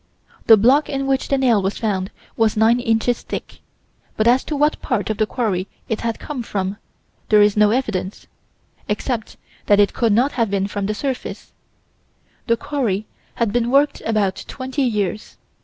The block in which the nail was found was nine inches thick, but as to what part of the quarry it had come from, there is no evidence except that it could not have been from the surface. The quarry had been worked about twenty years.